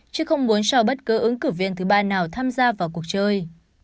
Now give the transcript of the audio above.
chứ không muốn cho bất cứ ứng cử viên thứ ba nào tham gia vào cuộc chơi